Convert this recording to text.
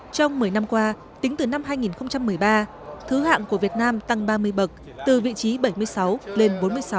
trong một mươi năm qua tính từ năm hai nghìn một mươi ba thứ hạng của việt nam tăng ba mươi bậc từ vị trí bảy mươi sáu lên bốn mươi sáu